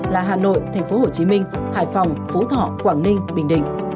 là hà nội thành phố hồ chí minh hải phòng phú thỏ quảng ninh bình định